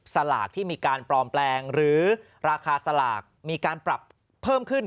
สลากที่มีการปลอมแปลงหรือราคาสลากมีการปรับเพิ่มขึ้น